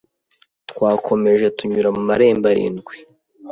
Twakomeje tunyura mu marembo arindwi